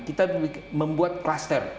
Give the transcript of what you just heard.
kita membuat cluster